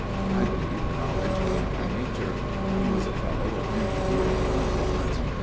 I believe the knowledge came by nature. He was a fellow of many weird accomplishments.